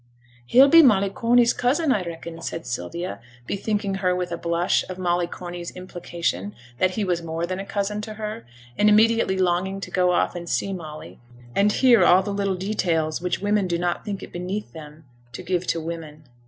'He'll be Molly Corney's cousin, I reckon,' said Sylvia, bethinking her with a blush of Molly Corney's implication that he was more than a cousin to her, and immediately longing to go off and see Molly, and hear all the little details which women do not think it beneath them to give to women.